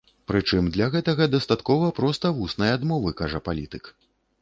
Прычым для гэтага дастаткова проста вуснай адмовы, кажа палітык.